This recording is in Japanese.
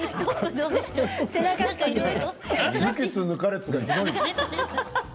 抜きつ抜かれつがひどいの。